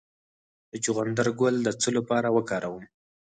د چغندر ګل د څه لپاره وکاروم؟